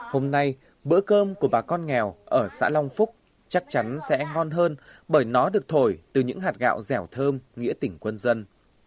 hôm nay bữa cơm của bà con nghèo ở xã long phúc chắc chắn sẽ hon hơn bởi nó được thổi từ những hạt gạo dẻo thơm nghĩa tỉnh quân dân